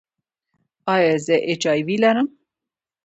ایا زه ایچ آی وي لرم؟